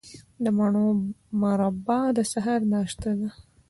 د مڼو مربا د سهار ناشته ده.